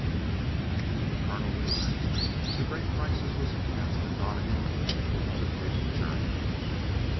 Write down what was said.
The colonel relaxed; the great crisis was past and Donnegan would undertake the journey.